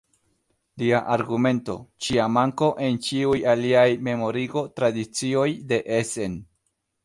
Lia argumento: Ŝia manko en ĉiuj aliaj memorigo-tradicioj de Essen.